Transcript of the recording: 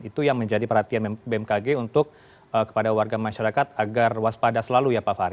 itu yang menjadi perhatian bmkg untuk kepada warga masyarakat agar waspada selalu ya pak fahri